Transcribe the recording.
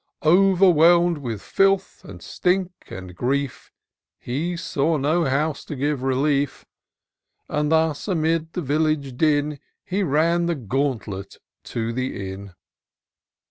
96 TOUR OF DOCTOR SYNTAX O erwlielm'd with filth, and stink, and grief, He saw no house to give relief; And thus, amid the village din, He ran the gauntlet to the inn.